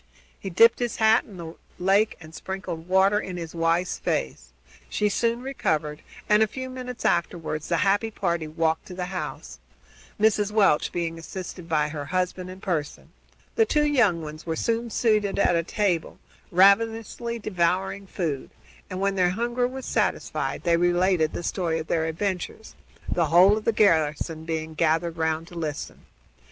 He dipped his hat in the lake and sprinkled water in his wife's face. She soon recovered and, a few minutes afterward, the happy party walked up to the house, Mrs. Welch being assisted by her husband and Pearson. The two young ones were soon seated at a table, ravenously devouring food, and, when their hunger was satisfied, they related the story of their adventures, the whole of the garrison being gathered round to listen.